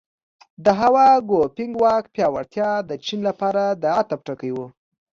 د هوا ګوفینګ واک پیاوړتیا د چین لپاره د عطف ټکی و.